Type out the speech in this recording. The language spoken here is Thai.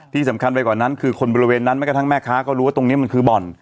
ที่สำคัญไปกว่านั้นคือคนบริเวณนั้นแม้กระทั่งแม่ค้าก็รู้ว่าตรงนี้มันคือบ่อน